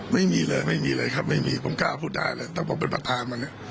ไม่มีเลยไม่มีเลยครับไม่มีผมกล้าพูดได้เลยแต่ผมเป็นประธานมันเนี่ย